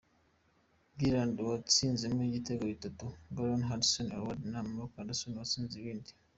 Giroud yatsinzemo ibitego bitatu, Callum Hudson-Odoi na Marcos Alonso batsinda ibindi.